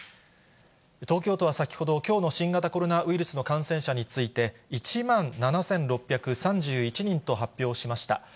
東京都は先ほど、きょうの新型コロナウイルスの感染者について、１万７６３１人と発表しました。